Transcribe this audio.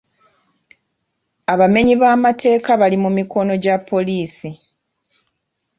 Abamenyi b'amateeka bali mu mikono gya poliisi.